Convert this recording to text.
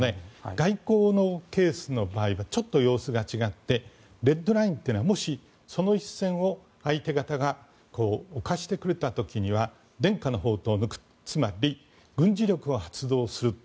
外交のケースの場合はちょっと様子が違ってレッドラインっていうのはもし、その一線を相手方が侵してくれた時には伝家の宝刀を抜くつまり軍事力を発動する